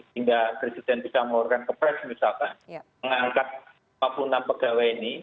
sehingga presiden bisa mengeluarkan ke pres misalkan mengangkat empat puluh enam pegawai ini